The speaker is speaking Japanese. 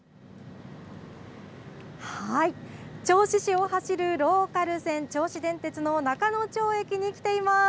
銚子市を走るローカル線、銚子電鉄の仲ノ町駅に来ています。